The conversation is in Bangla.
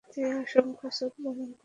তিনি অসংখ্য ছদ্মনাম গ্রহণ করেন।